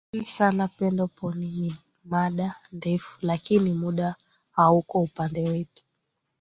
kran sana pendo ponny ni mada ndefu lakini muda hauko upande wetu